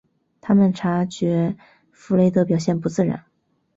他们察觉弗雷德表现不自然。